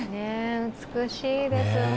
美しいです。